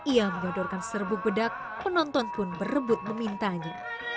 ia menyodorkan serbuk bedak penonton pun berebut memintanya